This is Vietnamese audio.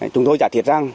chúng tôi giả thiết rằng